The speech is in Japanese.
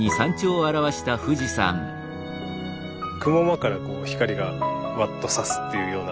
雲間からこう光がワッとさすっていうような。